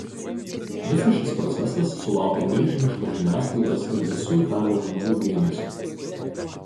Visas šis procesas sulaukė milžiniško žiniasklaidos ir visų Italijos žmonių dėmesio.